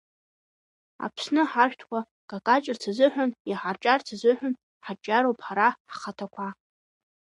Аԥсны ҳаршәҭа-какаҷырц азыҳәан, иҳарҿиарц азыҳәан ҳаҿиароуп ҳара ҳхаҭақәа.